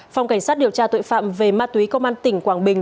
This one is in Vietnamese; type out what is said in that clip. phòng cảnh sát điều tra tội phạm về ma túy công an tỉnh quảng bình